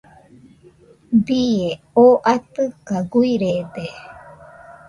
Bie oo atɨka guirede.